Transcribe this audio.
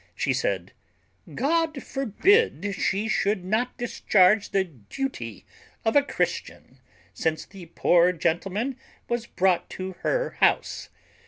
She said, "God forbid she should not discharge the duty of a Christian, since the poor gentleman was brought to her house.